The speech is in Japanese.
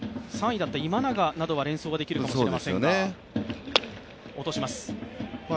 ３位だった今永などは連想できるかもしれませんが。